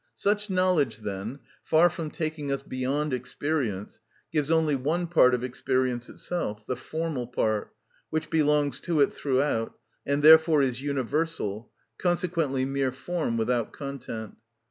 Such knowledge, then, far from taking us beyond experience, gives only one part of experience itself, the formal part, which belongs to it throughout, and therefore is universal, consequently mere form without content.